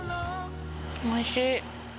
おいしい。